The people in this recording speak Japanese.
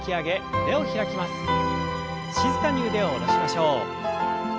静かに腕を下ろしましょう。